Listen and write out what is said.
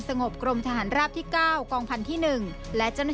โดยย้ำว่าให้ทำอย่างโปร่งใสแล้วก็เป็นธรรม